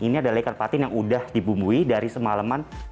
ini adalah ikan patin yang udah dibumbui dari semalaman